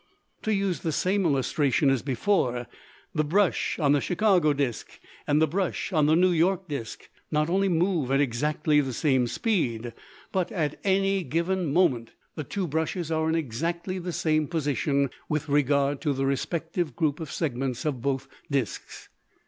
To use the same illustration as before, the brush on the Chicago disk and the brush on the New York disk not only move at exactly the same speed, but at any given moment the two brushes are in exactly the same position with regard to the respective group of segments of both disks.